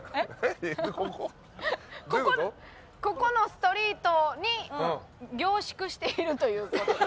ここのストリートに凝縮しているという事で。